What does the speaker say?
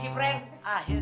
mana yang terakhir